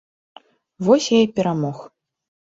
Вось я і перамог.